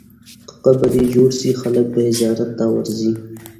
که قبر یې جوړ سي، خلک به یې زیارت ته ورځي.